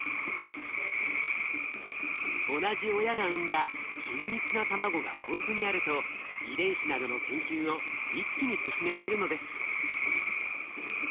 同じ親が産んだ均一な卵が豊富にあると遺伝子などの研究を一気に進められるのです。